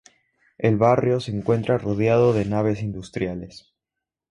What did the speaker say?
El barrio se encuentra rodeado de naves industriales.